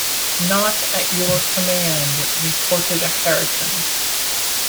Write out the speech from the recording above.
‘Not at your command!’ retorted Hareton.